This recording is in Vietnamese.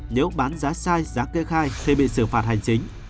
nếu bán giá sai giá cây khai thì bị xử phạt hành chính